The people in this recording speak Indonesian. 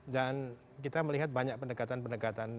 dan kita melihat banyak pendekatan pendekatan